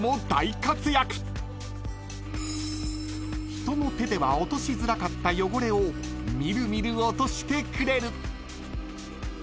［人の手では落としづらかった汚れをみるみる落としてくれる］